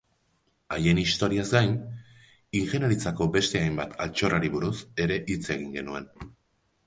Haien historiaz gain, ingeniaritzako beste hainbat altxorrari buruz ere hitz egin genuen.